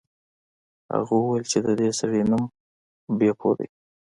هغه وویل چې د دې سړي نوم بیپو دی.